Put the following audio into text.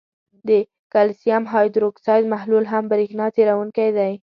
د کلسیم هایدروکساید محلول هم برېښنا تیروونکی دی.